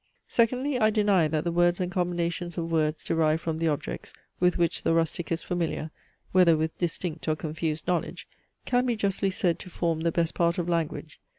Secondly, I deny that the words and combinations of words derived from the objects, with which the rustic is familiar, whether with distinct or confused knowledge, can be justly said to form the best part of language.